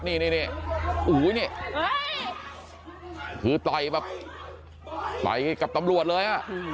นี่อุ้ยนี่คือต่อยแบบต่อยกับตำรวจเลย